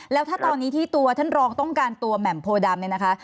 แล้วถ้าตอนนี้ที่ตัวท่านรองต้องการตัวแหม่มโพดำเนี่ยนะคะ